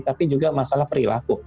tapi juga masalah perilaku